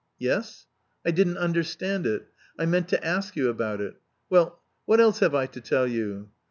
"Yes? I didn't understand it; I meant to ask you about it. Well what else have I to tell you?